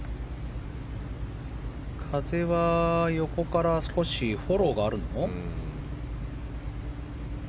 風は横から少しフォローがあるの？